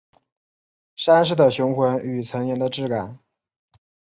山势的雄浑与岩层的质感